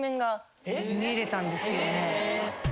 見れたんですよね。